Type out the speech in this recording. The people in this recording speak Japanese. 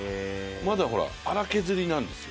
まだ荒削りなんですよ。